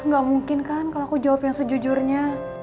gak mungkin kan kalau aku jawab yang sejujurnya